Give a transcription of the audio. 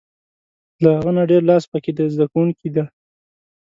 له هغه نه ډېر لاس په کې د زده کوونکي دی.